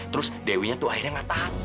terus dewinya tuh akhirnya ngatahan